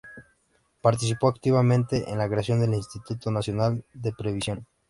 Participó activamente en la creación del Instituto Nacional de Previsión.